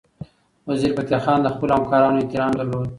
وزیرفتح خان د خپلو همکارانو احترام درلود.